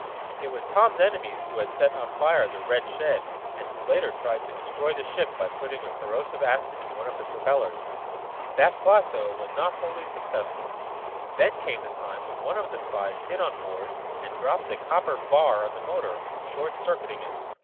It was Tom's enemies who had set on fire the red shed, and who later tried to destroy the ship by putting a corrosive acid in one of the propellers. That plot, though, was not wholly successful. Then came the time when one of the spies hid on board, and dropped the copper bar on the motor, short circuiting it.